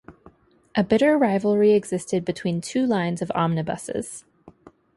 A bitter rivalry existed between two lines of omnibuses.